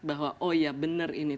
bahwa oh iya benar ini